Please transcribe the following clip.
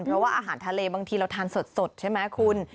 เพราะว่าอาหารทะเลบางทีเราทานสดใช่ไหมคุณ